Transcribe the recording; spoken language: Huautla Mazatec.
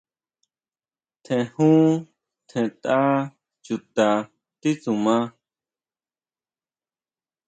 Tjen jun, tjen tʼa chuta titsuma.